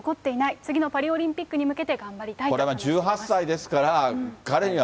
次のパリオリンピックに向けて頑張りたいと話しています。